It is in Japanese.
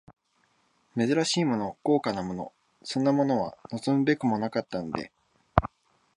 珍しいもの、豪華なもの、そんなものは望むべくもなかったので、